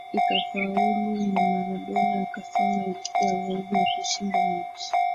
Ikafaulu na Maradona akasema ilikuwa zaidi ya kushinda mechi